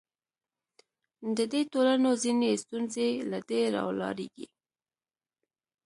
د دې ټولنو ځینې ستونزې له دې راولاړېږي.